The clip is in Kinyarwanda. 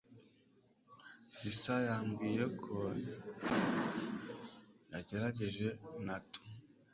Lisa yambwiye ko yagerageje natto